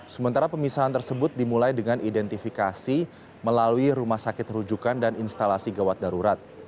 sementara pemisahan tersebut dimulai dengan identifikasi melalui rumah sakit rujukan dan instalasi gawat darurat